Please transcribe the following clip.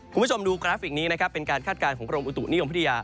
คุณผู้ชมดูกราฟิกนี้นะครับเป็นการคาดการณ์ของกรมอุตุนิยมวิทยา